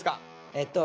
えっと